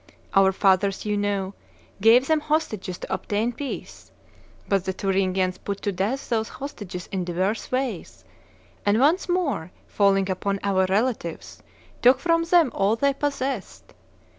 Our fathers, ye know, gave them hostages to obtain peace; but the Thuringians put to death those hostages in divers ways, and once more falling upon our relatives, took from them all they possessed.